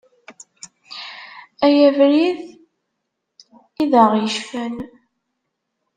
Ay abrid i d aɣ-icfan.